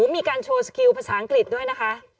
มีการโชว์สกิลภาษาอังกฤษด้วยนะคะ